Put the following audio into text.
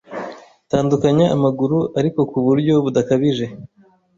Tandukanya amaguru ariko ku buryo budakabije